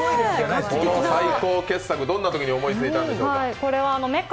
この最高傑作、どんなときに思いついたんでしょうか？